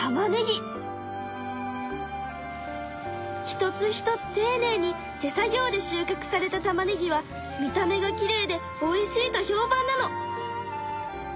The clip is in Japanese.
一つ一つていねいに手作業で収かくされたたまねぎは見た目がきれいでおいしいと評判なの。